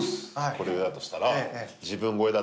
これぐらいだとしたら。